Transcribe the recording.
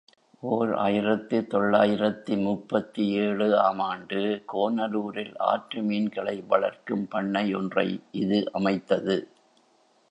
ஓர் ஆயிரத்து தொள்ளாயிரத்து முப்பத்தேழு ஆம் ஆண்டு கோனலூரில் ஆற்று மீன்களை வளர்க்கும் பண்ணை ஒன்றை இது அமைத்தது.